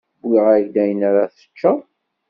Wwiɣ-ak-d ayen ara teččeḍ.